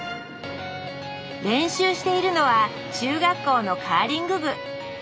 練習しているのは中学校のカーリング部。